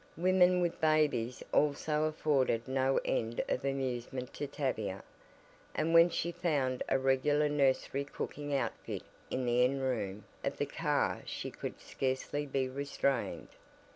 Women with babies also afforded no end of amusement to Tavia, and when she found a regular nursery cooking outfit in the "end room" of the car she could scarcely be restrained.